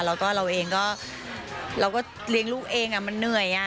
แล้วก็เราเองก็เรี้ยงลูกเองอ่ะมันหน่วยอ่ะ